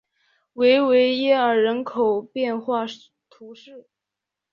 维维耶尔人口变化图示